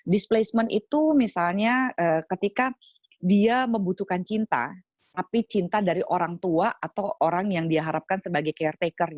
displacement itu misalnya ketika dia membutuhkan cinta tapi cinta dari orang tua atau orang yang diharapkan sebagai care taker